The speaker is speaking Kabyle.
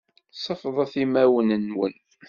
Sefḍet imawen-nwen.